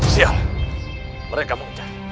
siang mereka mengejar